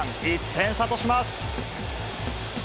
１点差とします。